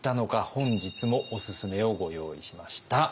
本日もおすすめをご用意しました。